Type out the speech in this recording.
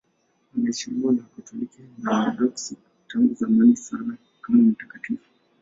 Anaheshimiwa na Wakatoliki na Waorthodoksi tangu zamani sana kama mtakatifu.